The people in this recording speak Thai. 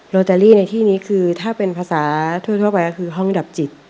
โรตารี่ที่นี่ถ้าเป็นภาษาทั่วไปก็คือฮ่องดับจิต